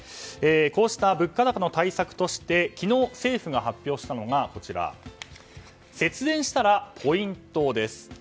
こうした物価高の対策として昨日政府が発表したのが節電したらポイントです。